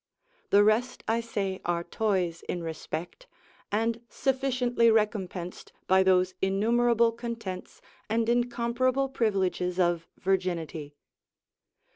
The rest I say are toys in respect, and sufficiently recompensed by those innumerable contents and incomparable privileges of virginity.